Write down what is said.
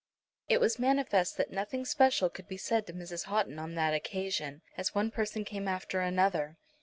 It was manifest that nothing special could be said to Mrs. Houghton on that occasion, as one person came after another.